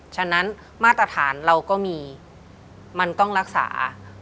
ฉะนั้นมาตรฐานเราก็มีมันต้องรักษา